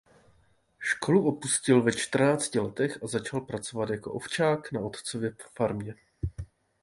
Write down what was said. Školu opustil ve čtrnácti letech a začal pracovat jako ovčák na otcově farmě.